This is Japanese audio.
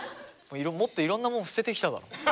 もっといろんなもん捨ててきただろ。